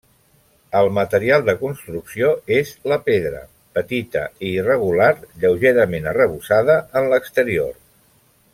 El material de construcció és la pedra, petita i irregular, lleugerament arrebossada en l'exterior.